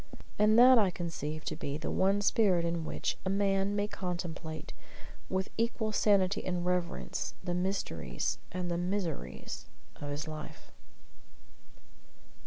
And that I conceive to be the one spirit in which a man may contemplate, with equal sanity and reverence, the mysteries and the miseries of his life.